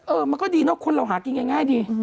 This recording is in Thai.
มันก็ดีเนอะคนเราหากินง่ายดี